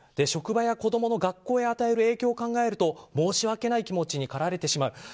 職場や子供の学校へ与える影響を考えると申し訳ない気持ちに駆られてしまう。